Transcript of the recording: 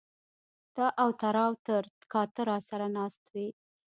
تااو تراو تر کا ته را سر ه ناست وې